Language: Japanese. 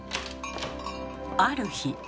ある日。